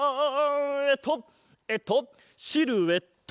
えっとえっとシルエット！